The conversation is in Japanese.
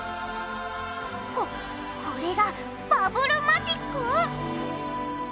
ここれがバブルマジック！？